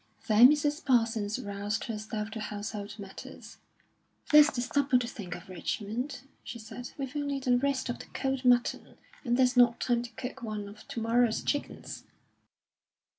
Then Mrs. Parsons roused herself to household matters. "There's the supper to think of, Richmond," she said; "we've only the rest of the cold mutton, and there's not time to cook one of to morrow's chickens."